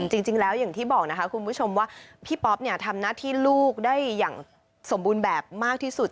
จริงแล้วอย่างที่บอกนะคะคุณผู้ชมว่าพี่ป๊อปเนี่ยทำหน้าที่ลูกได้อย่างสมบูรณ์แบบมากที่สุด